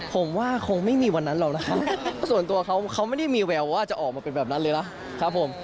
ผมว่าคงไม่มีวันนั้นหรอกนะครับส่วนตัวเขาเขาไม่ได้มีแววว่าจะออกมาเป็นแบบนั้นเลยนะครับผม